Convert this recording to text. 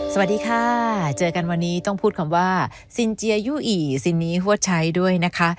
สวัสดีค่ะเจอกันวันนี้ต้องพูดคำว่าซินเจียยู่อีซินนี้ฮวดใช้ด้วยนะคะ